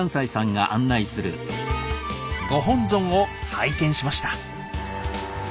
ご本尊を拝見しました。